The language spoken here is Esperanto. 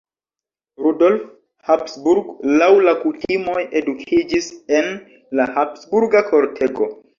Rudolf Habsburg laŭ la kutimoj edukiĝis en la Habsburga kortego.